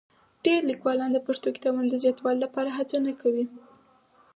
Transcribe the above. ډېری لیکوالان د پښتو کتابونو د زیاتوالي لپاره هڅه نه کوي.